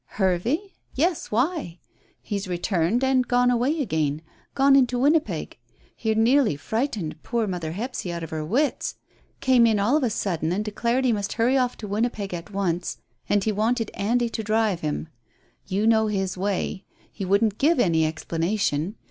"Hervey? Yes; why? He's returned and gone away again; gone into Winnipeg. He nearly frightened poor mother Hephzy out of her wits. Came in all of a sudden and declared he must hurry off to Winnipeg at once, and he wanted Andy to drive him. You know his way. He wouldn't give any explanation.